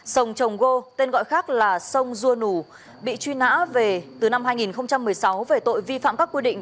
sông trồng gô tên gọi khác là sông dua nủ bị truy nã từ năm hai nghìn một mươi sáu về tội vi phạm các quy định